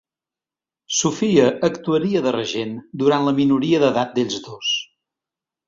Sofia actuaria de regent durant la minoria d'edat d'ells dos.